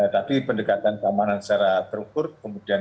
tadi pendekatan keamanan secara terukur kemudian